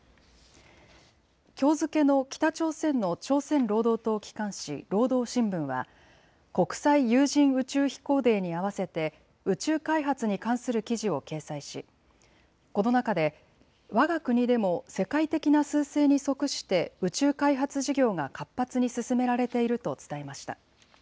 きょう付けの北朝鮮の朝鮮労働党機関紙、労働新聞は国際有人宇宙飛行デーに合わせて宇宙開発に関する記事を掲載しこの中でわが国でも世界的なすう勢に即して宇宙開発事業が活発に進められていると伝えました。